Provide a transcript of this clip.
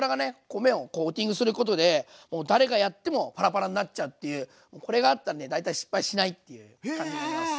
米をコーティングすることでもう誰がやってもパラパラになっちゃうっていうこれがあったらね大体失敗しないっていう感じになります。